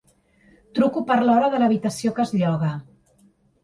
Truco per l'hora de l'habitació que es lloga.